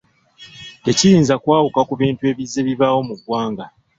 Tekiyinza kwawuka ku bintu bizze bibaawo mu ggwanga.